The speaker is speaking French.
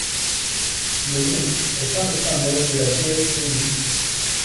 Le myrte est un des symboles de la déesse Vénus.